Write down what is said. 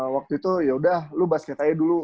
waktu itu ya udah lu basket aja dulu